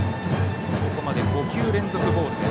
ここまで５球連続ボール。